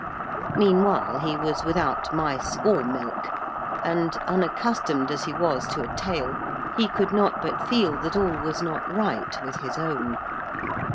Meanwhile he was without mice or milk, and, unaccustomed as he was to a tail, he could not but feel that all was not right with his own.